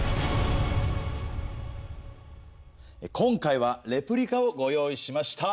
今回はレプリカをご用意しました。